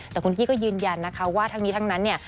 แต่คุณกี้ก็ยืนยันนะคะว่าทั้งนี้ทั้งนั้นเนี่ย